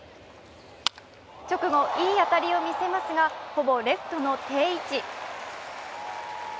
直後いい当たりを見せますがほぼレフトの定位置。